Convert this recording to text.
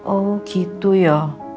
oh gitu yo